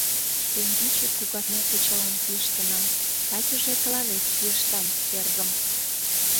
— Теҥгече кугарня кечылан кӱэштынам, тачыже тыланет кӱэштам, эргым.